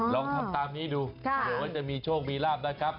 ลองทำตามนี้ดูเผื่อว่าจะมีโชคมีลาบนะครับ